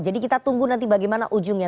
jadi kita tunggu nanti bagaimana ujungnya